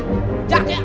woy ya kek